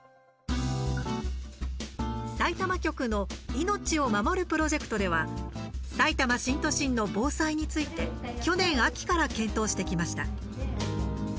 さいたま局の「命を守るプロジェクト」ではさいたま新都心の防災について去年、秋から検討してきました。